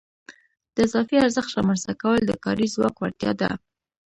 د اضافي ارزښت رامنځته کول د کاري ځواک وړتیا ده